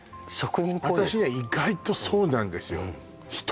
私ね意外とそうなんですよまた